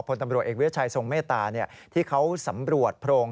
ตำรวจเอกวิทยาชัยทรงเมตตาที่เขาสำรวจโพรง